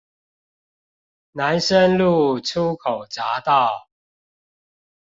南深路出口匝道